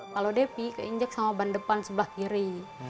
kalau devi diinjak sama ban depan sebelah kiri